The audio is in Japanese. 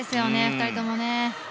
２人ともね。